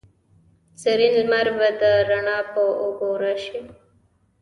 زرین لمر به د روڼا په اوږو راشي